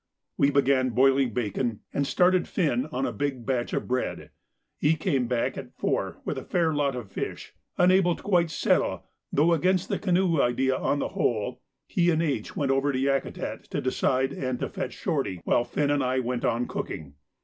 We began boiling bacon, and started Finn on a big batch of bread. E. came back at four with a fair lot of fish; unable to quite settle, though against the canoe idea on the whole, he and H. went over to Yakutat to decide and to fetch Shorty, while Finn and I went on cooking.